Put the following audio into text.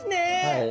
はい。